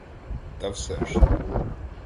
— Та все ж.